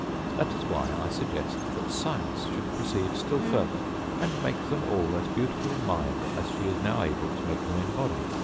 That is why I suggest that Science should proceed still further, and make them all as beautiful in mind as she is now able to make them in body.